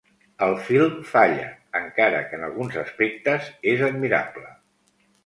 El film falla, encara que en alguns aspectes és admirable.